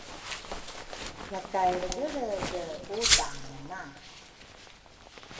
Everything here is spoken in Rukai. Yakay lregelrege ku daane nay